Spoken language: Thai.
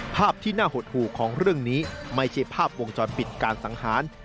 ภาพที่น่าหดหู่ของเรื่องนี้ไม่ใช่ภาพวงจรปิดการสังหาร